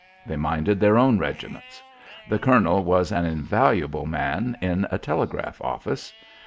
They minded their own regiments. The colonel was an invaluable man in a telegraph office.